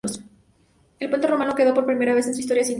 El puente romano quedó por primera vez en su historia sin río.